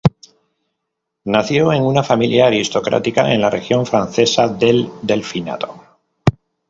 Nació en una familia aristocrática en la región francesa del Delfinado.